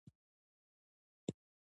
افغانستان د منی له امله شهرت لري.